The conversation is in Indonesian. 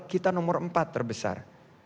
kita nomor empat terbesar